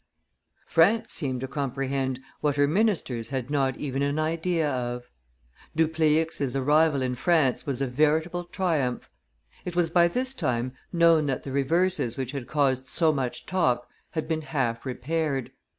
France seemed to comprehend what her ministers had not even an idea of; Dupleix's arrival in France was a veritable triumph. It was by this time known that the reverses which had caused so much talk had been half repaired.